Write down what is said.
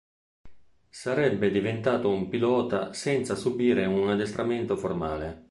Sarebbe diventato un pilota senza subire un addestramento formale.